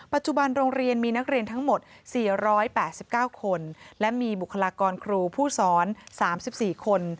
ปัจจุบันโรงเรียนมีนักเรียนทั้งหมด๔๘๙คนและมีบุคลากรครูผู้สอน๓๔คน